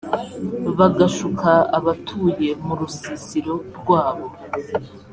bagashuka abatuye mu rusisiro rwabo